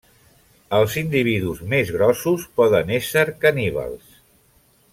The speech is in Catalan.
Els individus més grossos poden ésser caníbals.